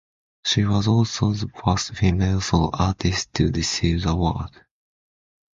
She was also the first female solo artist to receive the award.